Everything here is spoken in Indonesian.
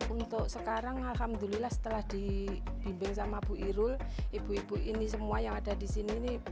untuk sekarang alhamdulillah setelah dibimbing sama bu irul ibu ibu ini semua yang ada di sini